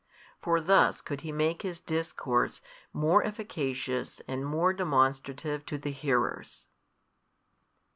For thus could He make His discourse more efficacious and more demonstrative to the hearers.